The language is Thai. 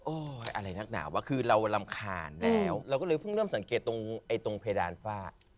อะไรนักหนาวะคือเรารำคาญแล้วเราก็เลยเพิ่งเริ่มสังเกตตรงเพดานฝ้า